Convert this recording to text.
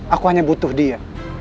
aku hanya butuh dia